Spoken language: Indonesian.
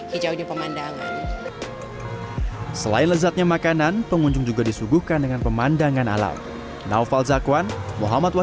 hijaunya pemandangan selain lezatnya makanan pengunjung juga disuguhkan dengan pemandangan alam